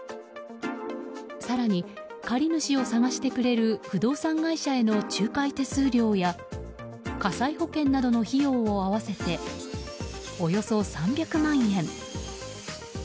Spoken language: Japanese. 更に、借り主を探してくれる不動産会社への仲介手数料や火災保険などの費用を合わせておよそ３００万円。